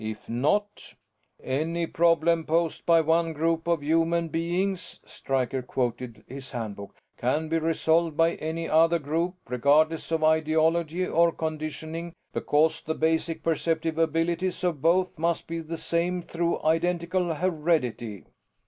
If not " "Any problem posed by one group of human beings," Stryker quoted his Handbook, "_can be resolved by any other group, regardless of ideology or conditioning, because the basic perceptive abilities of both must be the same through identical heredity_."